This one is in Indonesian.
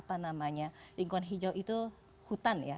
harap lingkungan hijau itu hutan ya